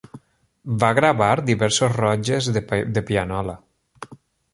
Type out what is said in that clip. Va gravar diversos rotlles de pianola.